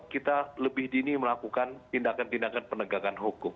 kita lebih dini melakukan tindakan tindakan penegakan hukum